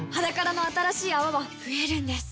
「ｈａｄａｋａｒａ」の新しい泡は増えるんです